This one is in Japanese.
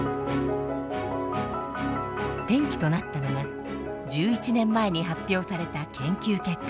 転機となったのが１１年前に発表された研究結果。